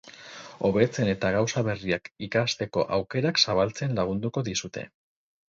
Hobetzen eta gauza berriak ikasteko aukerak zabaltzen lagunduko dizute.